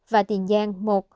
và tiền giang một